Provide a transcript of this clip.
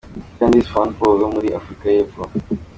Candice Swanpoel wo muri Afurika y’epfo.